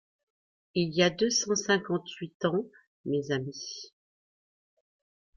Il y a deux cent cinquante-huit ans, mes amis